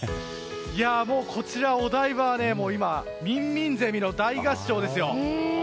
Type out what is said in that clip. もう、こちら、お台場は今、ミンミンゼミの大合唱ですよ。